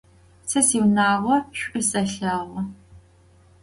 Se siunağo ş'u selheğu.